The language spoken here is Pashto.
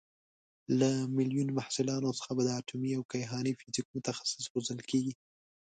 له میلیون محصلانو څخه به د اټومي او کیهاني فیزیک متخصص روزل کېږي.